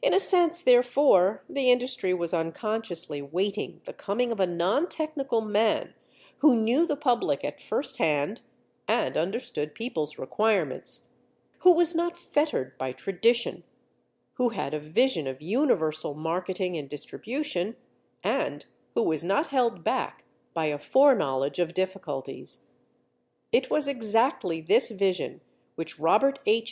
In a sense, therefore, the industry was unconsciously waiting the coming of a non technical man who knew the public at first hand and understood people's requirements, who was not fettered by tradition, who had a vision of universal marketing and distribution, and who was not held back by a fore knowledge of difficulties. It was exactly this vision which Robert H.